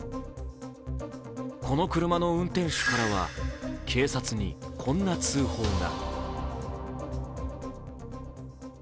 この車の運転手からは、警察にこんな通報が。